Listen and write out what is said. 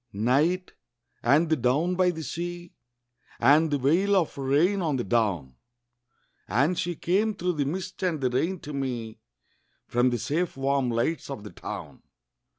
NIGHT, and the down by the sea, And the veil of rain on the down; And she came through the mist and the rain to me From the safe warm lights of the town.